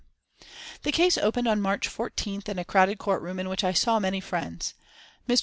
The case opened on March 14th in a crowded courtroom in which I saw many friends. Mr.